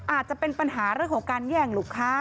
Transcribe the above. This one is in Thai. อาจจะเป็นปัญหาเรื่องของการแย่งลูกค้า